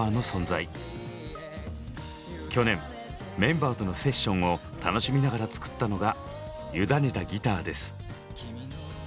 去年メンバーとのセッションを楽しみながら作ったのが「ゆだねたギター」です。